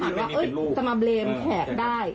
แต่คุณไม่ได้มีลักษณ์ว่าจะมาเบรมแขกได้